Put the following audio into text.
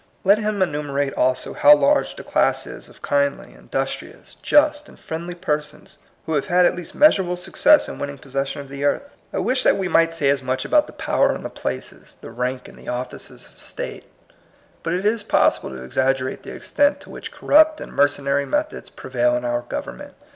Let him enumerate also how large the class is of kindly, in dustrious, just, and friendly persons who have had at least measurable success in winning possession of the earth. I wish that we might say as much about CERTAIN CLEAR FACTS. 29 the power and the places, the rank and the o£5ces of state. But it is possible to ex aggerate the extent to which corrupt and mercenary methods prevail in our govern ment.